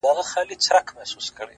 • په ياغيانو کي منلى وو سردار وو,